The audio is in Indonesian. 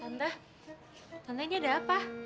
tante tante ini ada apa